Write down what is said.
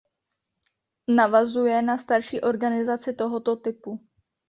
Navazuje na starší organizace tohoto typu.